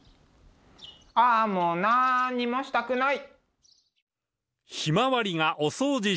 ああもうなんにもしたくない！